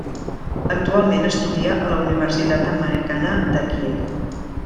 Actualment estudia a la Universitat Americana de Kíev.